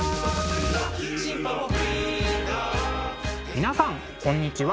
皆さんこんにちは。